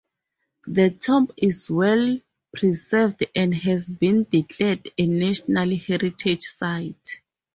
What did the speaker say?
The tomb is well preserved and has been declared a national heritage site.